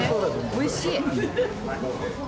おいしい。